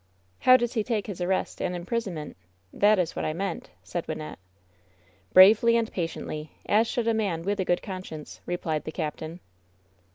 "How does he take his arrest and imprisonment t — that is what I meant," said Wvnnette. "Bravely and patiently, as should a man with a good conscience," replied the captain.